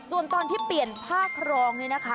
ส่วนตอนที่เปลี่ยนผ้าครองนี่นะคะ